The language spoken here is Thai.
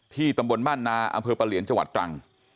ที่ตำบลม่านาอำเภอปรรี่ยังจังหวัดตรัง